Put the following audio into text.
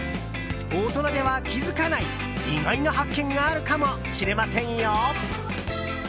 大人では気づかない意外な発見があるかもしれませんよ。